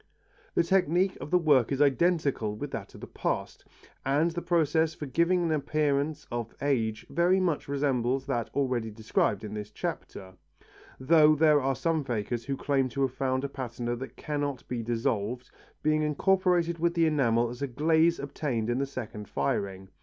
The technique of the work is identical with that of the past, and the process for giving an appearance of age very much resembles that already described in this chapter, though there are some fakers who claim to have found a patina that cannot be dissolved, being incorporated with the enamel as a glaze obtained in the second firing.